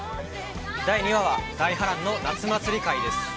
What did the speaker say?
第２話は、大波乱の夏祭り回です。